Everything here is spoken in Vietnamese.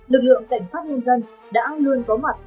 lực lượng cảnh sát nhân dân đã luôn có mặt